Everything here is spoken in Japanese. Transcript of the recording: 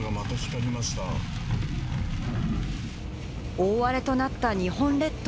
大荒れとなった日本列島。